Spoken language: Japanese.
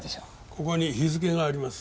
ここに日付があります。